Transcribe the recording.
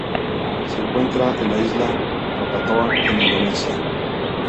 Se encuentra en la isla Krakatoa en Indonesia.